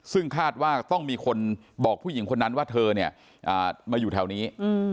ซึ่งคาดว่าต้องมีคนบอกผู้หญิงคนนั้นว่าเธอเนี่ยมาอยู่แถวนี้